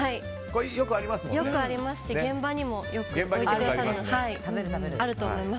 よくありますし現場にもよく置いてあります。